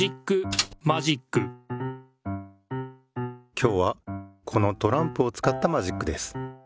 今日はこのトランプをつかったマジックです。